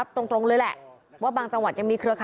พตรพูดถึงเรื่องนี้ยังไงลองฟังกันหน่อยค่ะ